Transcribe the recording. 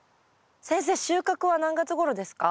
先生収穫は何月ごろですか？